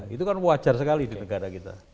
itu kan wajar sekali di negara kita